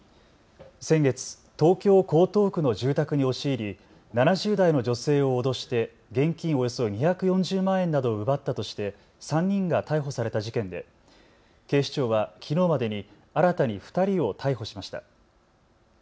先月、東京江東区の住宅に押し入り７０代の女性を脅して現金およそ２４０万円などを奪ったとして３人が逮捕された事件で警視庁はきのうまでに新たに２人を逮捕しました。